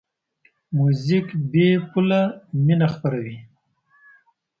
موزیک بېپوله مینه خپروي.